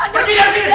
pergi dari sini